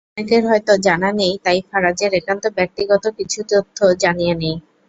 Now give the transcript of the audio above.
অনেকের হয়তো জানা নেই, তাই ফারাজের একান্ত ব্যক্তিগত কিছু তথ্য জানিয়ে নিই।